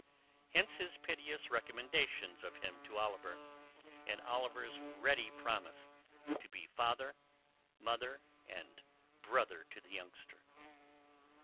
Hence his piteous recommendation of him to Oliver, and Oliver's ready promise to be father, mother, and brother to the youngster.